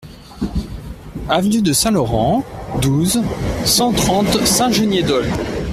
Avenue de Saint-Laurent, douze, cent trente Saint-Geniez-d'Olt